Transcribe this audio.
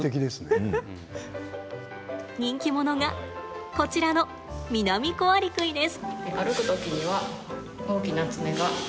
人気者がこちらのミナミコアリクイです。